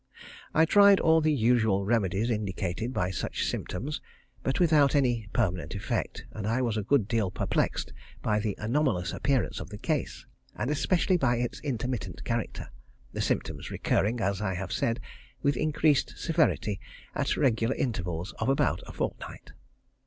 I tried all the usual remedies indicated by such symptoms, but without any permanent effect, and I was a good deal perplexed by the anomalous appearance of the case, and especially by its intermittent character, the symptoms recurring, as I have said, with increased severity, at regular intervals of about a fortnight.